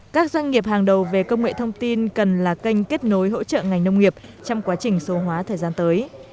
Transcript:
các doanh nghiệp hàng đầu về công nghệ thông tin cần là kênh kết nối hỗ trợ ngành nông nghiệp trong quá trình số hóa thời gian tới